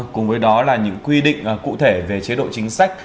cùng với đó là những quy định cụ thể về chế độ chính sách